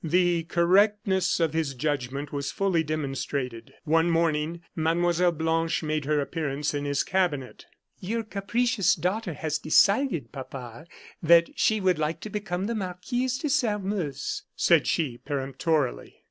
The correctness of his judgment was fully demonstrated. One morning Mlle. Blanche made her appearance in his cabinet. "Your capricious daughter has decided, papa, that she would like to become the Marquise de Sairmeuse," said she, peremptorily.